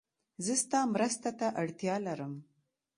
زه ستا مرسته ته اړتیا لرم.